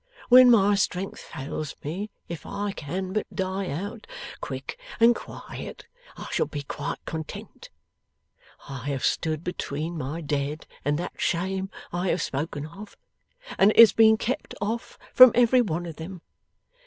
When my strength fails me, if I can but die out quick and quiet, I shall be quite content. I have stood between my dead and that shame I have spoken of; and it has been kept off from every one of them.